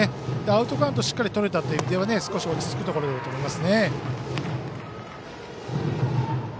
アウトカウントをしっかりとれたということでは少し落ち着くところだと思います。